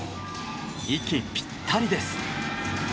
息ぴったりです。